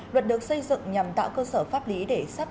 luật được xây dựng nhằm tạo cơ sở pháp lý để